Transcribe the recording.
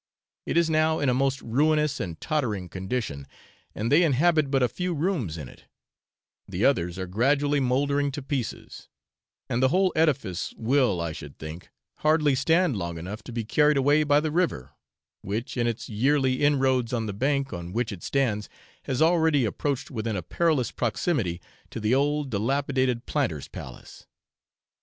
It is now in a most ruinous and tottering condition, and they inhabit but a few rooms in it; the others are gradually mouldering to pieces, and the whole edifice will, I should think, hardly stand long enough to be carried away by the river, which in its yearly inroads on the bank on which it stands has already approached within a perilous proximity to the old dilapidated planter's palace.